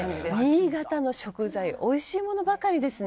新潟の食材美味しいものばかりですね！